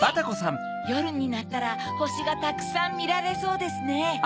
よるになったらほしがたくさんみられそうですね。